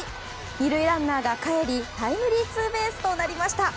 ２塁ランナーがかえりタイムリーツーベースとなりました。